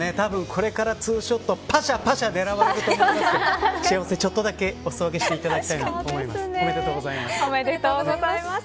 これからツーショットぱしゃぱしゃ狙われると思いますけど幸せとちょっとだけお裾分けしていただきたいと思います。